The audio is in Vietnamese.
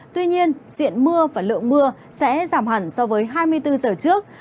tuy nhiên diện mưa và lượng mưa sẽ giảm hẳn so với hai mươi bốn giờ trước